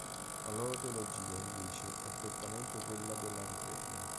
La loro teologia, invece, è prettamente quella della Riforma.